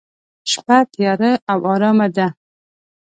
شپه تیاره او ارامه ده.